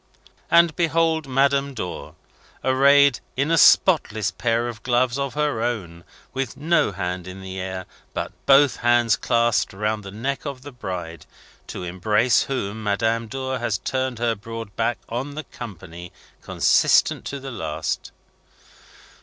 And behold Madame Dor, arrayed in a spotless pair of gloves of her own, with no hand in the air, but both hands clasped round the neck of the bride; to embrace whom Madame Dor has turned her broad back on the company, consistent to the last.